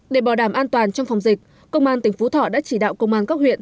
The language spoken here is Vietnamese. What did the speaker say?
để bảo đảm an toàn trong phòng dịch công an tỉnh phú thọ đã chỉ đạo công an các huyện